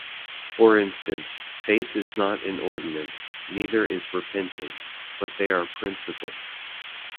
For instance, "faith" is not an ordinance, neither is "repentance," but they are principles.